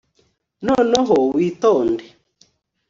noneho witonde